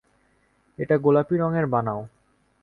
এটা গোলাপী রঙের বানাও।